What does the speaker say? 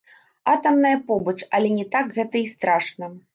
Атамная побач, але не так гэта і страшна.